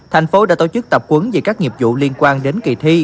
thành phố đã tổ chức tập quấn về các nghiệp vụ liên quan đến kỳ thi